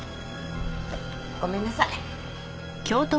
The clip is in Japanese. ごめんなさい。